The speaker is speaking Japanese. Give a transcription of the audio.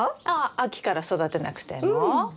ああ秋から育てなくても？